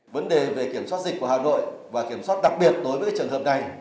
vấn đề về kiểm soát dịch của hà nội và kiểm soát đặc biệt đối với trường hợp này